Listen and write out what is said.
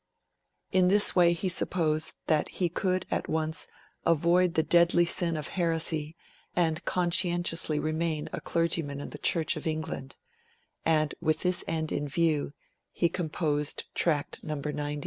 In this way he supposed that he could at once avoid the deadly sin of heresy and conscientiously remain a clergyman in the Church of England; and with this end in view, he composed Tract No. 90.